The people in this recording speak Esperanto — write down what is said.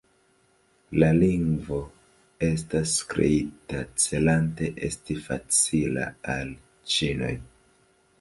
La lingvo estas kreita celante esti facila al ĉinoj.